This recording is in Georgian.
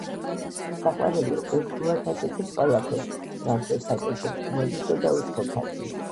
საყვარელო, ერთგულად აკეთებ უველაფერს, რასაც აკეთებ ძმებისა და უცხოთათვის.